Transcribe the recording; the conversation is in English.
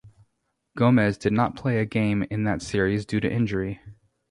Gomez did not play a game in that series due to injury.